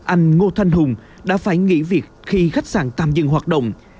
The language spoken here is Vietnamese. anh ngô thanh hùng đã phải nghỉ việc khi khách sạn tạm dừng hoạt động